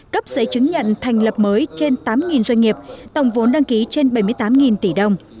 cấp giấy chứng nhận thành lập mới trên tám doanh nghiệp tổng vốn đăng ký trên bảy mươi tám tỷ đồng